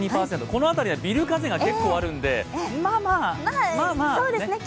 この辺り、ビル風があるのでまあまあですね。